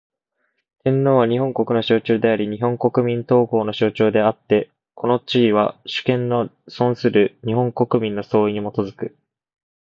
天皇は、日本国の象徴であり日本国民統合の象徴であつて、この地位は、主権の存する日本国民の総意に基く。